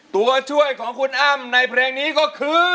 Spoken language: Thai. ตัวช่วยของคุณอ้ำในเพลงนี้ก็คือ